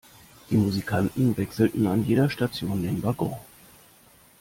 Die Musikanten wechselten an jeder Station den Wagon.